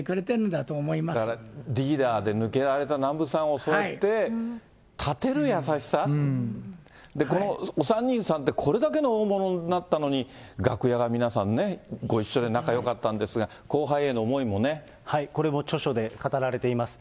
だから、リーダーで抜けられた南部さんを、そうやって立てる優しさ、このお３人さんって、これだけの大物になったのに、楽屋が皆さんね、ご一緒で、仲よかったんですが、後輩への思いもね。これも著書で語られています。